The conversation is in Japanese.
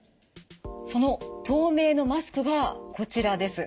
その透明のマスクがこちらです。